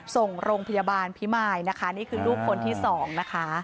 ส่งโรงพยาบาลพิมายนะคะนี่คือลูกคนที่สองนะคะ